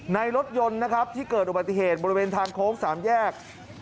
รถยนต์นะครับที่เกิดอุบัติเหตุบริเวณทางโค้ง๓แยก